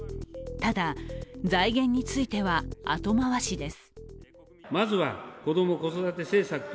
ただ、財源については後回しです。